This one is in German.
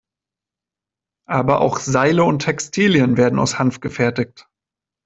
Aber auch Seile und Textilien werden aus Hanf gefertigt.